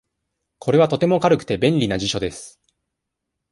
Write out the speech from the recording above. これはとても軽くて、便利な辞書です。